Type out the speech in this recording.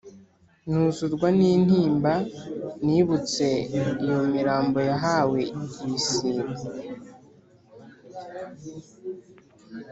Nuzurwa n’intimba Nibutse iyo mirambo Yahawe ibisiga